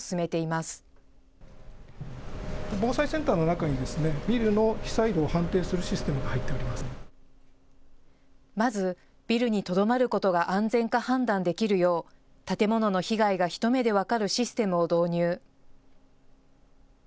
まずビルにとどまることが安全か判断できるよう建物の被害が一目で分かるシステムを導入。